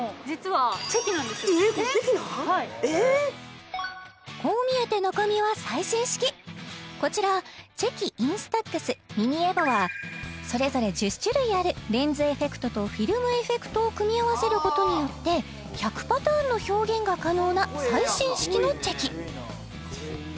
はいこう見えて中身は最新式こちらチェキｉｎｓｔａｘｍｉｎｉＥｖｏはそれぞれ１０種類あるレンズエフェクトとフィルムエフェクトを組み合わせることによって１００パターンの表現が可能な最新式のチェキ